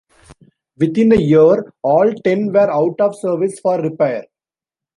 Within a year, all ten were out of service for repair.